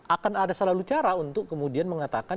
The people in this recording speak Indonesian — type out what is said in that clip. akan ada selalu cara untuk kemudian mengatakan